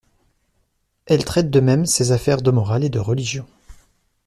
Elle traite de même ses affaires de morale et de religion.